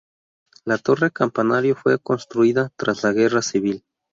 La torre campanario fue reconstruida tras la guerra civil.